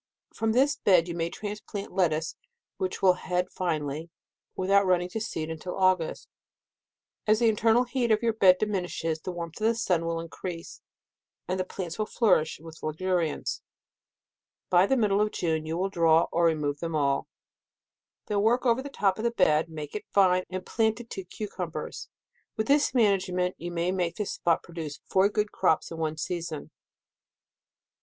From this bed you may transplant lettuce, which will head finely, without running to seed until August. As the internal heat of your bed diminishes, the warmth of the sun will increase, and the plants will flourish with luxuriance. By the middle of June you will draw, or remove them DECEMBER. 206 all. Ther« work over the top of the bed, make it fine, and plant it to cucumbers. With this management you may make this spot produce four good crops in one season.